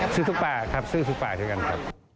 ซื้อทุกป่าครับซื้อทุกป่าด้วยกันครับ